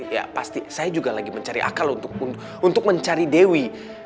ya pasti saya juga lagi mencari akal untuk mencari dewi